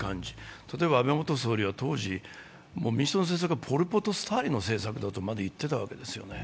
例えば、安倍元総理は当時、民主党政権はポルポトスタイルの政策だとまで言ってたんですね。